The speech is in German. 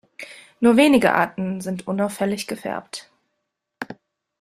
Nur wenige Arten sind unauffällig gefärbt.